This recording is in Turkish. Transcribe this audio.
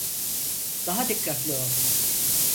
Daha dikkatli ol.